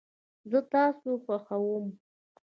زه تاسو خوښوم